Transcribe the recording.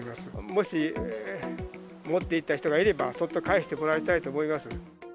もし持っていった人がいればそっと返してもらいたいと思います。